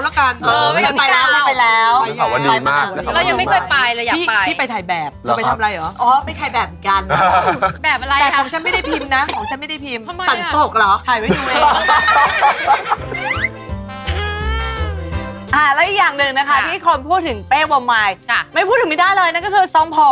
ทุกครั้งที่ตัดเลยเนี่ยคุณจะบอกช่างว่าตัดทรงอะไรลายอะไรเหรอ